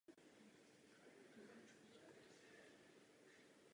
Jeho funkcí je vyznačení pauzy.